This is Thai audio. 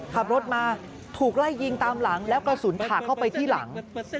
ขับรถมาถูกไล่ยิงตามหลังแล้วกระสุนถากเข้าไปที่หลัง